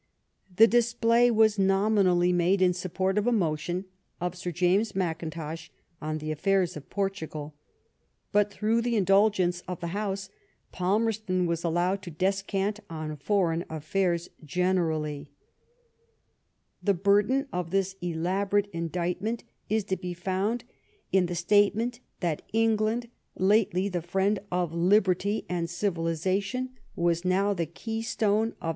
The display was nominally made in support of a motion of Sir James Mackintosh on the affairs of Portugal, but through the indulgence of the House, Palmerston was allowed to descant on foreign affairs generally. The burden of this elaborate indictment is to be found in the statement that England, lately the friend of liberty and civilization, was now the key stone of * Letter from Oroker to Peel, Croker Pape^ Sf yol. i. p. 213. LOBB PALMEBSTON AND TORYISM.